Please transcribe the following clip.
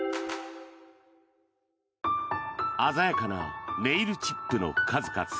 鮮やかなネイルチップの数々。